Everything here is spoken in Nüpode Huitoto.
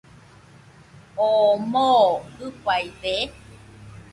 ¿Oo moo jɨfaide?